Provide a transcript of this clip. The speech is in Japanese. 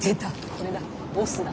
これだ。